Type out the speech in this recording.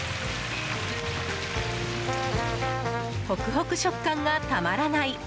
ホクホク食感がたまらない